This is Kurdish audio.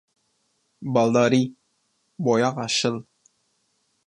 Baldarî! Boyaxa şil.